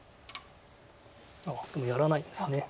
やらないんですね。